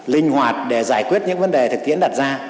linh hoạt để giải quyết những vấn đề thực tiễn đặt ra